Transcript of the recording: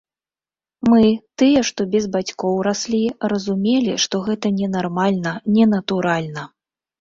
Мы, тыя, што без бацькоў раслі, разумелі, што гэта ненармальна, ненатуральна.